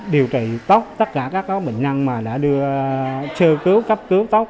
điều trị tóc tất cả các bệnh nhân mà đã đưa chữa cứu cấp cứu tóc